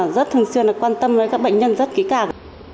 rất thường xuyên quan tâm đến các bệnh nhân rất kỹ càng